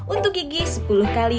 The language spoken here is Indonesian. untuk gigi sepuluh kali